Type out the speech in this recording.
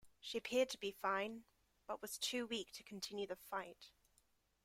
She appeared to be fine, but was too weak to continue the fight.